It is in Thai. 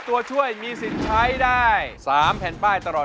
ตัวช่วยมีสิทธิ์ใช้ได้๓แผ่นป้ายตลอด